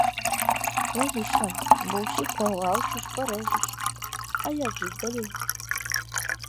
Лагічна, бо ўсіх пагвалціш, парэжаш, а як жыць далей?